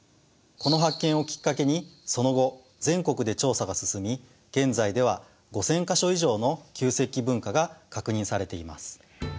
この発見をきっかけにその後全国で調査が進み現在では５，０００か所以上の旧石器文化が確認されています。